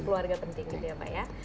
keluarga penting gitu ya pak ya